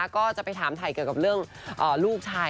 ก็จะไปถามถ่ายเกี่ยวกับเรื่องลูกชาย